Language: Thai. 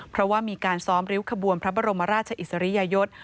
เพราะว่ามีการซ้อมริ้วขบวนพระบรมราชอิสริยยศ